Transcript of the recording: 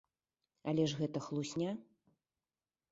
Але ж гэта хлусня.